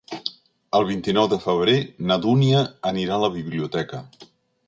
El vint-i-nou de febrer na Dúnia anirà a la biblioteca.